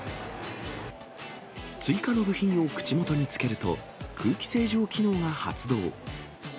追加の部品を口元につけると、空気清浄機能が発動。